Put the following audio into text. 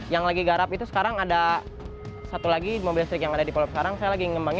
yang lagi garap itu sekarang ada satu lagi mobil listrik yang ada di polo sekarang